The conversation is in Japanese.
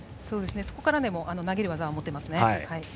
そこからでも投げる技を持っていますね。